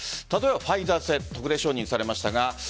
例えばファイザー製特例承認されました。